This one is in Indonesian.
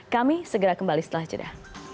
kami segera kembali setelah jeda